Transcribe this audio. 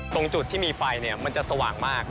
ตรงจุดที่มีไฟมันจะสว่างมาก